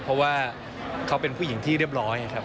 เพราะว่าเขาเป็นผู้หญิงที่เรียบร้อยครับ